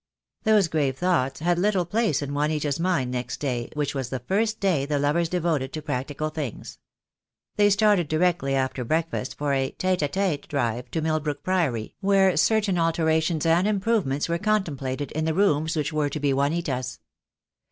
Those grave thoughts had little place in Juanita's mind next day, which was the first day the lovers devoted to practical things. They started directly after breakfast for a tcte a tete drive to Milbrook Priory, where certain alterations and improvements were contemplated in the rooms which were to be Juanita's.